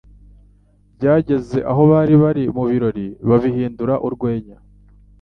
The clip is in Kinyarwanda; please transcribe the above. Byageze aho abari mu birori babihindura urwenya